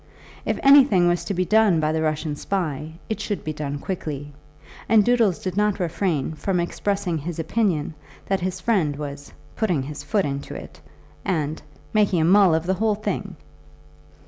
If anything was to be done by the Russian spy it should be done quickly, and Doodles did not refrain from expressing his opinion that his friend was "putting his foot into it," and "making a mull of the whole thing."